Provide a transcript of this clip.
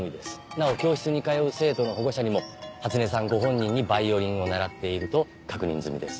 なお教室に通う生徒の保護者にも初音さんご本人にヴァイオリンを習っていると確認済みです。